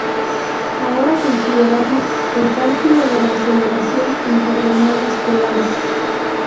Ahora consideramos el cálculo de la aceleración en coordenadas polares.